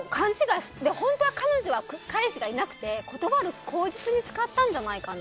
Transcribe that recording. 本当は彼女は彼氏がいなくて断る口実に使ったんじゃないかな。